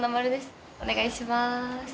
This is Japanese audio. お願いします。